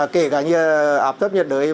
kể cả như ạp thấp nhiệt đới